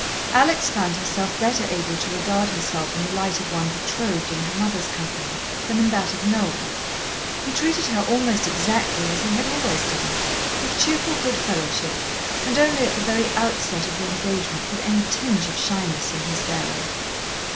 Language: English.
Alex found herself better able to regard herself in the light of one betrothed in her mother's company than in that of Noel. He treated her almost exactly as he had always done, with cheerful good fellowship, and only at the very outset of the engagement with any tinge of shyness in his bearing.